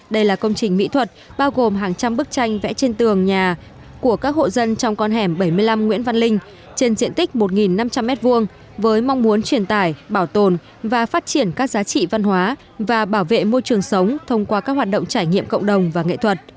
đây là công trình mỹ thuật bao gồm hàng trăm bức tranh vẽ trên tường nhà của các hộ dân trong con hẻm bảy mươi năm nguyễn văn linh trên diện tích một năm trăm linh m hai với mong muốn truyền tải bảo tồn và phát triển các giá trị văn hóa và bảo vệ môi trường sống thông qua các hoạt động trải nghiệm cộng đồng và nghệ thuật